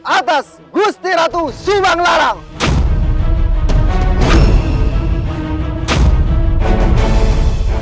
atas gusti ratu subanglarang